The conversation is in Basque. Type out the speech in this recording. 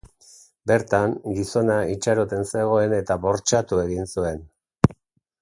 Bertan gizona itxaroten zegoen eta bortxatu egin zuen.